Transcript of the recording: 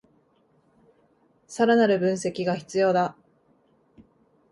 さらなる分析が必要だ